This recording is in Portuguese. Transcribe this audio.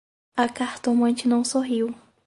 A cartomante não sorriu: